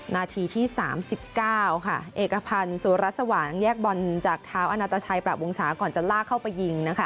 นาทีที่๓๙เอกพันธ์สุรัสว่างแยกบอลจากเท้าอนาตาชัยปรับวงศาก่อนจะลากเข้าไปยิง